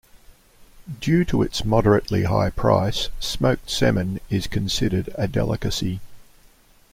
Due to its moderately high price, smoked salmon is considered a delicacy.